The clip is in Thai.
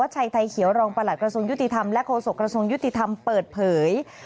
ชัยไทยเขียวรองประหลัดกระทรวงยุติธรรมและโฆษกระทรวงยุติธรรมเปิดเผย